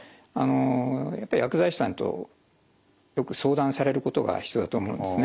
やっぱり薬剤師さんとよく相談されることが必要だと思うんですね。